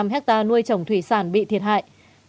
tám năm hecta nuôi trồng thủy sản bị thiệt hại